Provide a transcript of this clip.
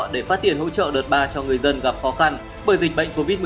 để phát tiền hỗ trợ đợt ba cho người dân gặp khó khăn bởi dịch bệnh covid một mươi chín